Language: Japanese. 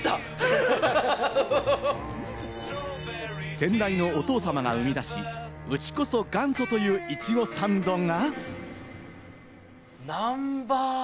先代のお父様が生み出し、うちこそ元祖という、いちごサンドが。